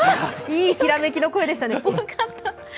いいひらめきの声でしたね。